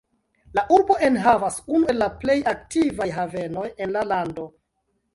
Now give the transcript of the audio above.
La urbo enhavas unu el la plej aktivaj havenoj en la lando.